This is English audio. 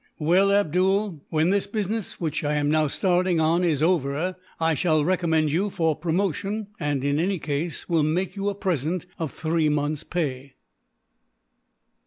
"Well, Abdool, when this business which I am now starting on is over, I shall recommend you for promotion and, in any case, will make you a present of three months' pay."